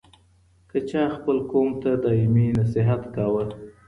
که چا خپل قوم ته دايمي نصيحت کاوه